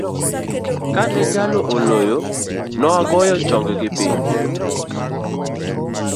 Kane jalo oloyo, magoyo chonggi piny.